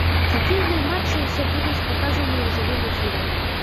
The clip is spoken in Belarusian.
Хакейныя матчы ўсе будуць паказаныя ў жывым эфіры.